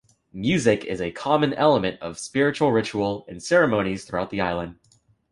Music is a common element of spiritual ritual and ceremonies throughout the island.